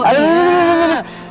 aduh aduh aduh